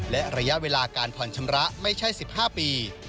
และระยะเวลาการผ่อนชำระไม่ใช่๑๕ปี